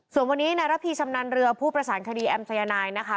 ส่วนวันนี้นะรภีร์ชำนันเรือผู้ประสานคดีแอมป์สยนายน์นะคะ